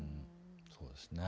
そうですね。